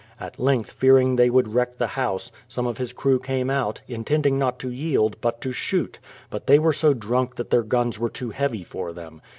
At length fearing they would wreck the house, some of his crew came out, — intending not to yield, but to shoot ; but they were so drunk that their guns were too heavy for them.